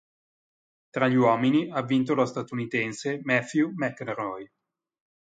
Tra gli uomini ha vinto lo statunitense Matthew Mcelroy.